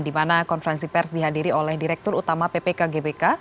dimana konferensi pers dihadiri oleh direktur utama ppk gbk